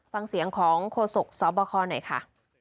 ฟังเสียงของโฆษกสบคหน่อยค่ะ